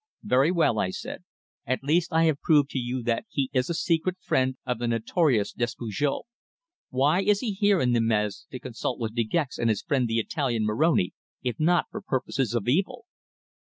"Very well," I said. "At least I have proved to you that he is a secret friend of the notorious Despujol. Why is he here in Nîmes to consult with De Gex and his friend the Italian, Moroni, if not for purposes of evil?